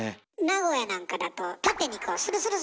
名古屋なんかだと縦にこうスルスル